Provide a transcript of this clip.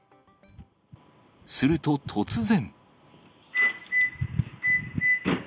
すると、突然。